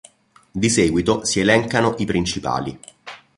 Di seguito si elencano i principali.